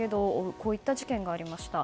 こういった事件がありました。